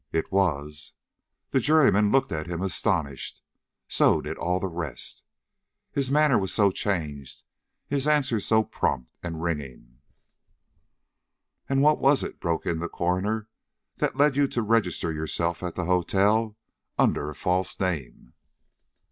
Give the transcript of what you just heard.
"It was." The juryman looked at him astonished; so did all the rest. His manner was so changed, his answers so prompt and ringing. "And what was it," broke in the coroner, "that led you to register yourself at the hotel under a false name?"